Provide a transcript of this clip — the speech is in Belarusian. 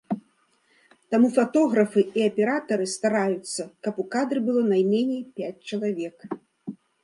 Таму фатографы і аператары стараюцца, каб у кадры было найменей пяць чалавек.